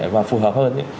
và phù hợp hơn